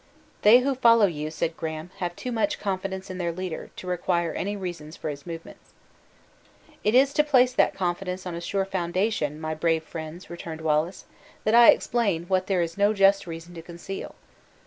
"They who follow you," said Graham, "have too much confidence in their leader, to require any reasons for his movements." "It is to place that confidence on a sure foundation, my brave friends," returned Wallace, "that I explain what there is no just reason to conceal.